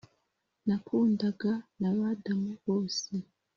nakundaga nabadamu bose